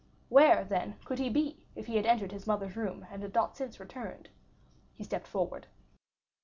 Where, then, could he be, if he had entered his mother's room and not since returned? He stepped forward.